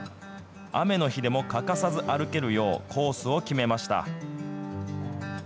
雨の日でも欠かさず歩けるよう、コースを決めました。